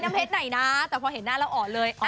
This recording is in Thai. เพชรไหนนะแต่พอเห็นหน้าเราอ่อนเลย